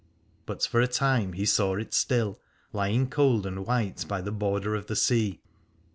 But for a time he saw it still lying cold and white by the border of the sea.